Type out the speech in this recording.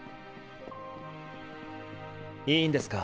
いいんですか？